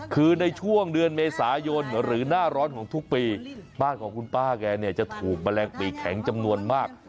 คือในช่วงเดือนเมษายนหรือหน้าร้อนของทุกปีบ้านของคุณป้าแกเนี่ยจะถูกแมลงปีกแข็งจำนวนมาก